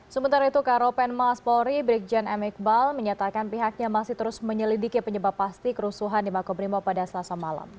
sementara itu karopen mas polri brigjen m iqbal menyatakan pihaknya masih terus menyelidiki penyebab pasti kerusuhan di makobrimob pada selasa malam